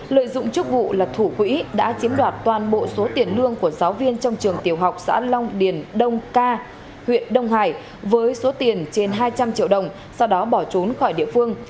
lợi dụng chức vụ là thủ quỹ đã chiếm đoạt toàn bộ số tiền lương của giáo viên trong trường tiểu học xã long điền đông ca huyện đông hải với số tiền trên hai trăm linh triệu đồng sau đó bỏ trốn khỏi địa phương